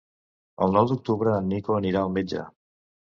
El nou d'octubre en Nico anirà al metge.